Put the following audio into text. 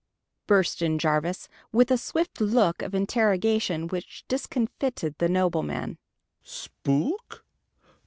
burst in Jarvis, with a swift look of interrogation which discomfited the nobleman. "Spook?